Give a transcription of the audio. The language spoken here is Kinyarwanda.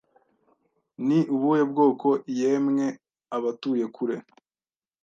Ni ubuhe bwoko Yemwe abatuye kure